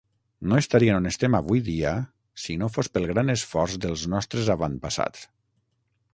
No estarien on estem avui dia si no fos pel gran esforç dels nostres avantpassats.